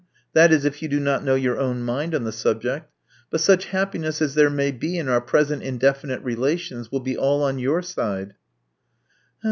That is, if you do not know your own mind on the subject. But such happiness as there may be in our present indefinite relations will be aU on your side."